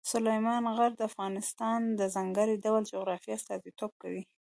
سلیمان غر د افغانستان د ځانګړي ډول جغرافیه استازیتوب کوي.